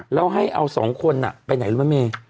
เราให้เอา๒คนน่ะไปไหนแล้วเมย์